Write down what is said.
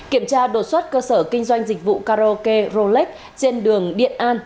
kiểm tra đột xuất cơ sở kinh doanh dịch vụ karaoke rolex trên đường điện an